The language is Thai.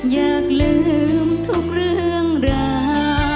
อยากลืมทุกเรื่องราว